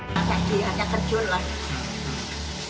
nasi cikur hanya kencur lah